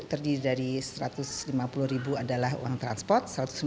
terdiri dari satu ratus lima puluh ribu adalah uang transport